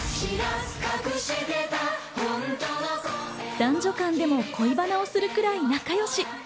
男女間でも恋バナをするくらい仲良し。